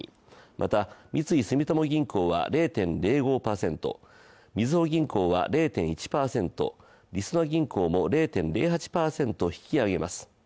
また三井住友銀行は０．０５％、みずほ銀行は０．１％、りそな銀行も０．０８％引き上げます。